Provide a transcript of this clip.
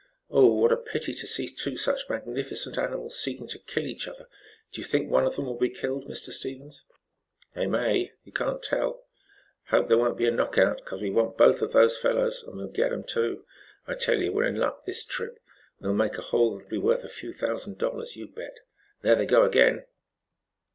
"Oh, what a pity to see two such magnificent animals seeking to kill each other! Do you think one of them will be killed, Mr. Stevens?" "They may. You can't tell. Hope there won't be a knock out, 'cause we want both of those fellows and we'll get them too. I tell you, we're in luck this trip. We'll make a haul that will be worth a few thousand dollars, you bet. There they go again."